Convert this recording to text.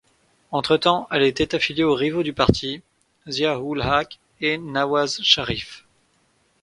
Entretemps, elle était affiliée aux rivaux du parti, Zia-ul-Haq et Nawaz Sharif.